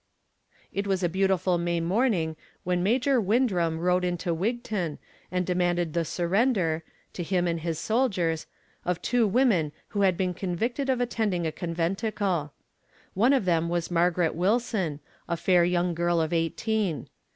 It was a beautiful May morning when Major Windram rode into Wigton and demanded the surrender, to him and his soldiers, of two women who had been convicted of attending a conventicle. One of them was Margaret Wilson, a fair young girl of eighteen.